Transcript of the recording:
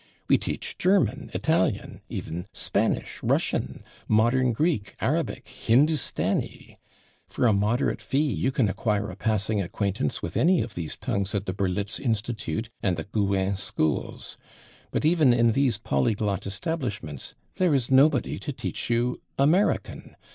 We teach German, Italian, even Spanish, Russian, modern Greek, Arabic, Hindustani. For a moderate fee you can acquire a passing acquaintance with any of these tongues at the Berlitz Institute and the Gouin Schools. But even in these polyglot establishments there is nobody to teach you American.